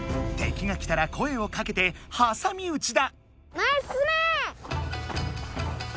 敵が来たら声をかけてはさみうちだ。